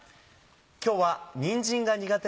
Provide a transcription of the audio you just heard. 今日はにんじんが苦手